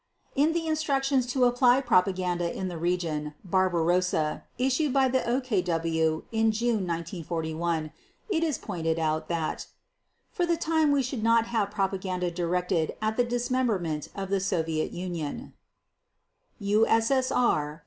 In the instructions to apply propaganda in the region "Barbarossa", issued by the OKW in June 1941, it is pointed out that: "For the time we should not have propaganda directed at the dismemberment of the Soviet Union" (USSR 477).